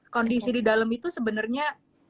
kondisi di dalam itu sebenarnya